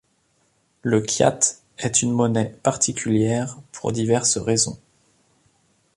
Le kyat est une monnaie particulière pour diverses raisons.